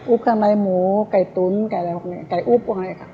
อุ๊บข้างในหมูไก่ตุ๋นไก่อะไรพวกนี้ไก่อุ๊บพวกนี้ครับ